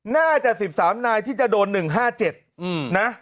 น่าจะ๑๓นายที่จะโดน๑๕๗นะ